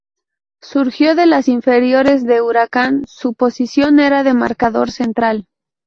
Surgido de las inferiores de Huracán, su posición era de marcador central.